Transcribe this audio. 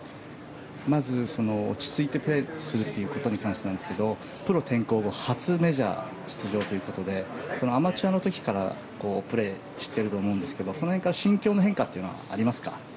まず、落ち着いてプレーするということに関してですがプロ転向後初のメジャー出場ということでアマチュアの時からプレーしていると思いますがその辺から心境の変化はありますか。